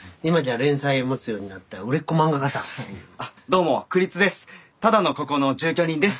あっどうも栗津です。